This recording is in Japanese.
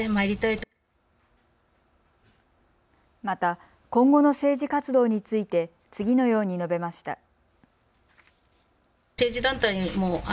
また、今後の政治活動について次のように述べました。